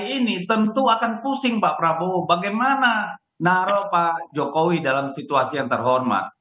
ini tentu akan pusing pak prabowo bagaimana naral pak jokowi dalam situasi yang terhormat